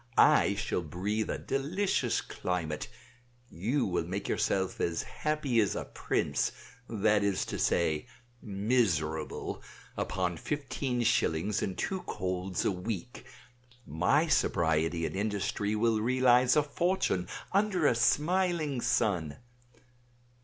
I shall breathe a delicious climate; you will make yourself as happy as a prince, that is to say, miserable, upon fifteen shillings and two colds a week; my sobriety and industry will realize a fortune under a smiling sun.